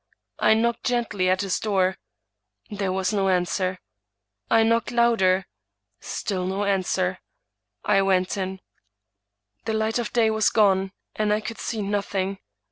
I knocked gently at his door ; there was no an swer. I knocked louder; still no answer. I went in. The light of day was gone, and I could see nothing.